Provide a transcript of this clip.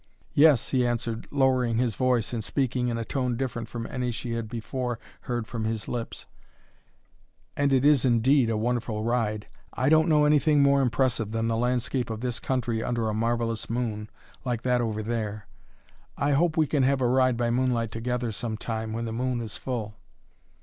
"Yes," he answered, lowering his voice and speaking in a tone different from any she had before heard from his lips; "and it is indeed a wonderful ride! I don't know anything more impressive than the landscape of this country under a marvellous moon, like that over there. I hope we can have a ride by moonlight together, some time, when the moon is full.